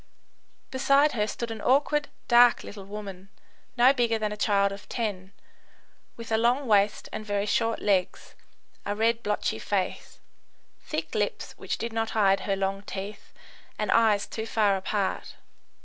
Beside her stood an awkward, dark little woman, no bigger than a child of ten, with a long waist and very short legs, a red, blotchy face, thick lips which did not hide her long teeth, and eyes too far apart.